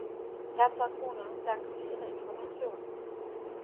Herr Falconer, danke für Ihre Information.